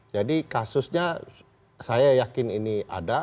jadi kasusnya saya yakin ini ada